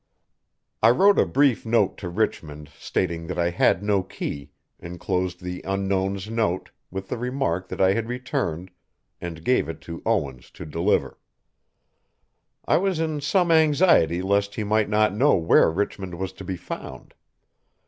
I wrote a brief note to Richmond stating that I had no key, inclosed the Unknown's note, with the remark that I had returned, and gave it to Owens to deliver. I was in some anxiety lest he might not know where Richmond was to be found.